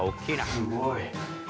すごい。